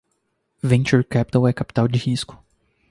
Venture Capital é capital de risco.